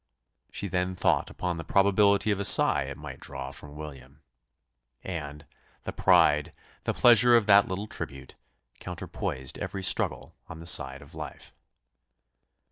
She then thought upon the probability of a sigh it might draw from William; and, the pride, the pleasure of that little tribute, counterpoised every struggle on the side of life.